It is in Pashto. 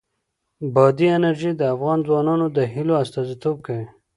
بادي انرژي د افغان ځوانانو د هیلو استازیتوب کوي.